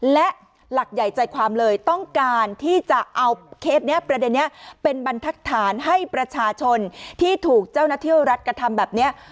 และหลักใหญ่ใจความเลยต้องการที่จะเอาเคสนี้ประเด็นนี้เป็นบรรทักษฐานให้ประชาชนที่ถูกเจ้าหน้าที่รัฐกระทำแบบนี้